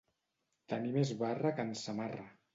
Tenir més barra que en Samarra.